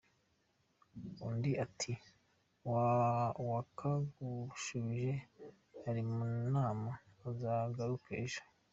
Undi ati “Uwakagushubije ari mu nama uzagaruke ejo”.